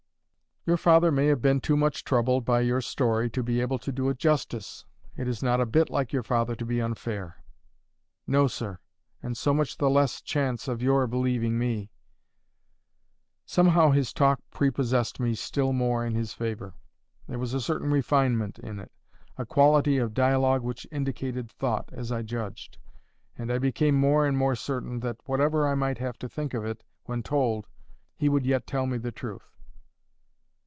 "Your father may have been too much troubled by your story to be able to do it justice. It is not a bit like your father to be unfair." "No, sir. And so much the less chance of your believing me." Somehow his talk prepossessed me still more in his favour. There was a certain refinement in it, a quality of dialogue which indicated thought, as I judged; and I became more and more certain that, whatever I might have to think of it when told, he would yet tell me the truth.